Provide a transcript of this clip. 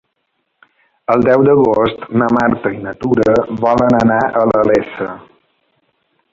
El deu d'agost na Marta i na Tura volen anar a la Iessa.